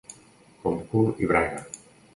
Com cul i braga.